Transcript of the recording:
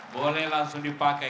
boleh langsung dipakai